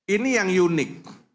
ini yang unik